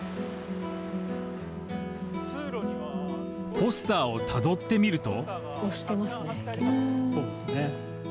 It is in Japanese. ポスターをたどってみると夢